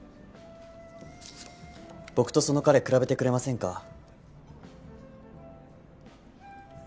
僕とその彼比べてくれませんか？